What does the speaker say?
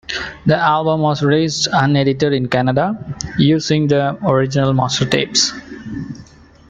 The album was released un-edited in Canada, using the original master tapes.